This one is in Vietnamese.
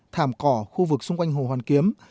thảm cỏ khu vực xung quanh hồ hoàn kiếm